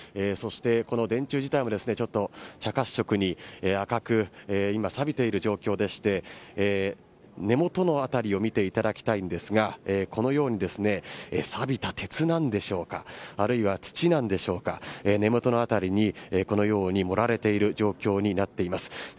そしてこの電柱自体も茶褐色に赤くさびている状況でして根元のあたりを見ていただきたいのですがこのようにさびた鉄なんでしょうか。あるいは土なのでしょうか根元の辺りに盛られている状況になっています。